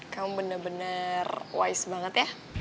kamu bener bener wise banget ya